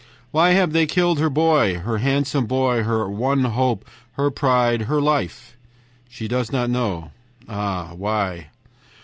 Why have they killed her boy, her handsome boy, her one hope, her pride, her life? She does not know. Ah, why?